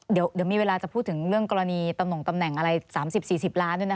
เดี๋ยวมีเวลาจะพูดถึงเรื่องกรณีตำนงตำแหน่งอะไรสามสิบสี่สิบล้านด้วยนะคะ